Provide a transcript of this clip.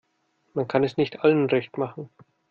Man kann es nicht allen recht machen.